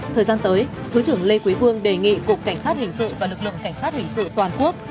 thời gian tới thứ trưởng lê quý vương đề nghị cục cảnh sát hình sự và lực lượng cảnh sát hình sự toàn quốc